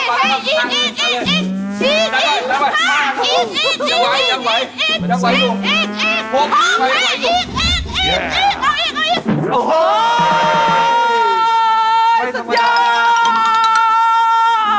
โอ้ไม่ต้องอิ่ม